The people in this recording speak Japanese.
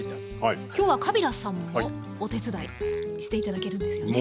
今日はカビラさんもお手伝いして頂けるんですよね？